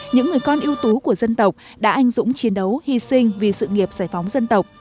những người con ưu tú của dân tộc đã anh dũng chiến đấu hy sinh vì sự nghiệp giải phóng dân tộc